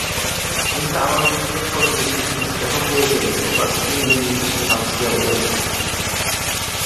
Ten stával v místech pozdějšího městského vězení v oblasti nynější Panské ulice.